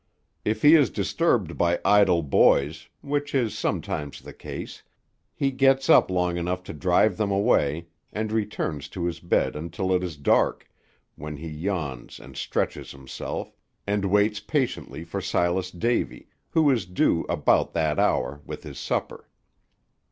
If he is disturbed by idle boys, which is sometimes the case, he gets up long enough to drive them away, and returns to his bed until it is dark, when he yawns and stretches himself, and waits patiently for Silas Davy, who is due about that hour with his supper.